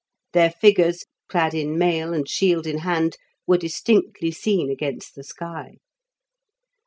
Their figures, clad in mail and shield in hand, were distinctly seen against the sky.